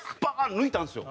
抜いたんですよ。